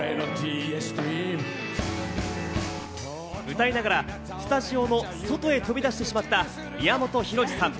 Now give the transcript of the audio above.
歌いながらスタジオの外へ飛び出してしまった宮本浩次さん。